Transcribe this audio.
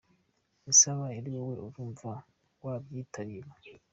Ese abaye ari wowe urumva wabyitabira?.